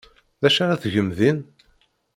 D acu ara tgem din?